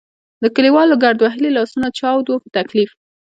د کلیوالو ګرد وهلي لاسونه چاود وو په تکلیف.